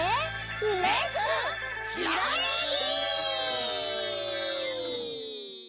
「レッツ！ひらめき」！